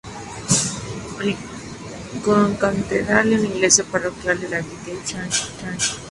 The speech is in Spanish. Es la concatedral y una iglesia parroquial de la Arquidiócesis de Anchorage.